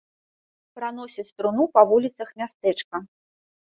Праносяць труну па вуліцах мястэчка.